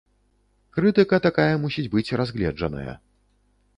Крытыка такая мусіць быць разгледжаная.